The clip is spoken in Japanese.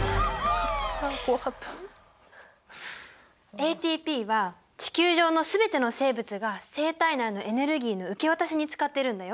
ＡＴＰは地球上の全ての生物が生体内のエネルギーの受け渡しに使ってるんだよ。